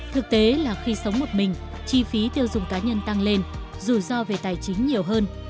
thực tế là khi sống một mình chi phí tiêu dùng cá nhân tăng lên rủi ro về tài chính nhiều hơn